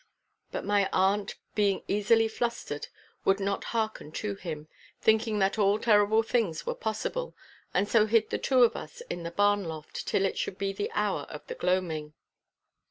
But my aunt, being easily flustered, would not hearken to him, thinking that all terrible things were possible, and so hid the two of us in the barn loft till it should be the hour of the gloaming.